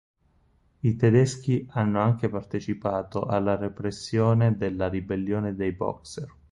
I tedeschi hanno anche partecipato alla repressione della ribellione dei boxer.